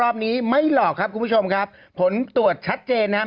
ใครจะรับผิดชอบเขา